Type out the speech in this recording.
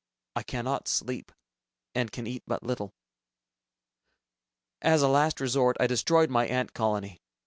I cannot sleep, and can eat but little. As a last resort, I destroyed my ant colony.